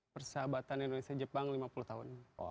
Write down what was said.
persahabatan indonesia jepang lima puluh tahun